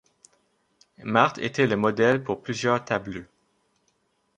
Marthe était le modèles pour plusieurs tableux.